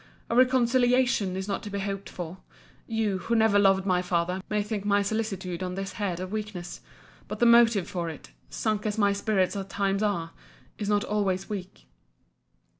a reconciliation is not to be hoped for. You, who never loved my father, may think my solicitude on this head a weakness: but the motive for it, sunk as my spirits at times are, is not always weak.